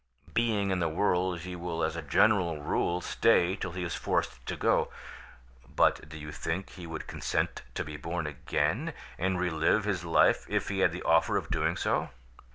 Being in the world he will as a general rule stay till he is forced to go; but do you think that he would consent to be born again, and re live his life, if he had the offer of doing so?